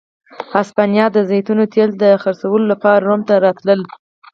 هسپانیا د زیتونو تېل د خرڅلاو لپاره روم ته راتلل.